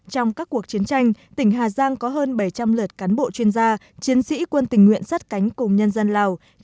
trong các cuộc chiến tranh tỉnh hà giang có hơn bảy trăm linh lượt cán bộ chuyên gia chiến sĩ quân tình nguyện sát cánh cùng nhân dân lào